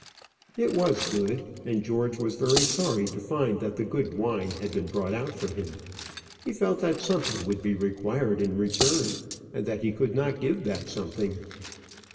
It was good; and George was very sorry to find that the good wine had been brought out for him. He felt that something would be required in return, and that he could not give that something.